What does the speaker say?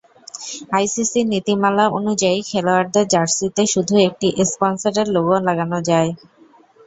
আইসিসির নীতিমালা অনুযায়ী খেলোয়াড়দের জার্সিতে শুধু একটি স্পনসরের লোগো লাগানো যায়।